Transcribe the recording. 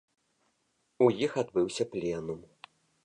У іх адбыўся пленум.